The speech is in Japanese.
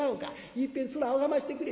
いっぺん面拝ましてくれ。